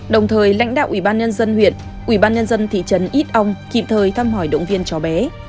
đồng thời lãnh đạo ubnd huyện ubnd thị trấn ít ông kịp thời thăm hỏi động viên chó bé